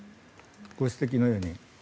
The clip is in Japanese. ご指摘のように。